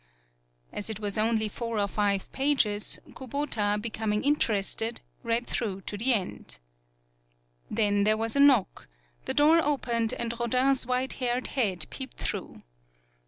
As it was only four or five pages, Kubota, becoming interested, read through to the end. Then there was a knock; the door opened and Rodin's white haired head peeped through.